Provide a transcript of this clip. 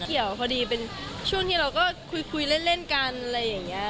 เกี่ยวพอดีเป็นช่วงที่เราก็คุยเล่นกันอะไรอย่างนี้